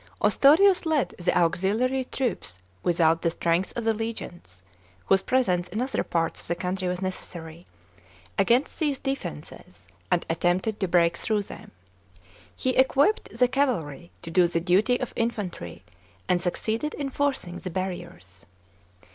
* Os tor ins led the auxiliary troops without the strength of the legions — whose presence in other parts of the country was necessary — against these defences, and attempted to break through them. He equipped the cavalry to do the duty of infantry, and succeeded in forcing the harriers.